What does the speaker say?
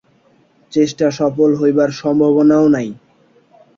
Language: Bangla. চেষ্টা সফল হইবার সম্ভাবনাও নাই।